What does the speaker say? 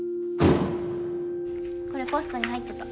これポストに入ってた。